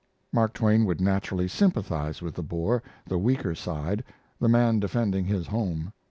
Mark Twain would naturally sympathize with the Boer the weaker side, the man defending his home.